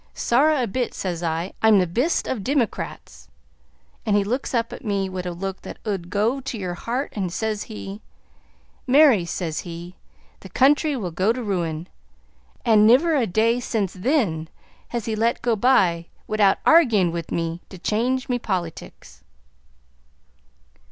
'Sorra a bit,' sez I; 'I'm the bist o' dimmycrats!' An' he looks up at me wid a look that ud go to yer heart, an' sez he: 'Mary,' sez he, 'the country will go to ruin.' An' nivver a day since thin has he let go by widout argyin' wid me to change me polytics."